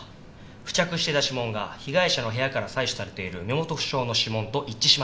付着してた指紋が被害者の部屋から採取されている身元不詳の指紋と一致しました。